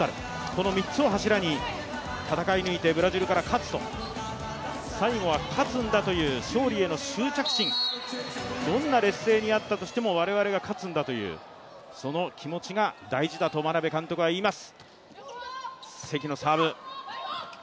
この３つを柱に戦い抜いてブラジルから勝つと、最後は、勝つんだという勝利への執着心、どんな劣勢にあったとしても、我々が勝つんだというその気持ちが大事だと眞鍋監督は言います。